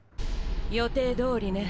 予定どおりね。